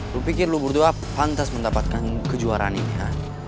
lo pikir lo berdua pantas mendapatkan kejuaraan ini kan